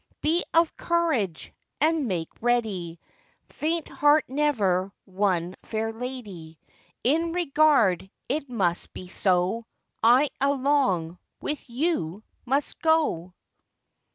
'Be of courage, and make ready, Faint heart never won fair lady; In regard it must be so, I along with you must go.